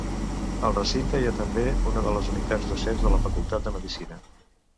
Al recinte hi ha també una de les unitats docents de la Facultat de Medicina.